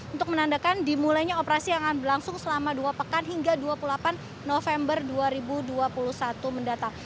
untuk menandakan dimulainya operasi yang akan berlangsung selama dua pekan hingga dua puluh delapan november dua ribu dua puluh satu mendatang